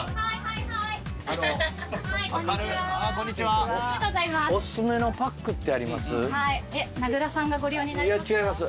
いや違います。